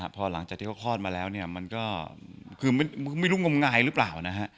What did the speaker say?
พอหลังจากที่เขาคลอดมาแล้วเนี่ยมันก็คือไม่รู้งมงายหรือเปล่านะฮะ